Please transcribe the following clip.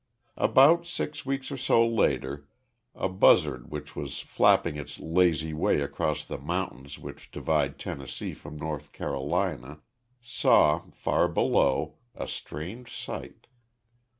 About six weeks or so later a buzzard which was flapping its lazy way across the mountains which divide Tennessee from North Carolina saw, far below, a strange sight.